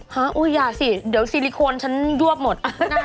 อย่าสิเดี๋ยวซิลิโคนฉันยวบหมด